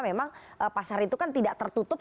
memang pasar itu kan tidak tertutup